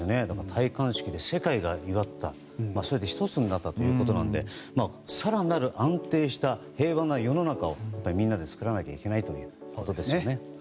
戴冠式で世界が祝った１つになったということなので更なる安定した平和な世の中をみんなで作らないといけないということですね。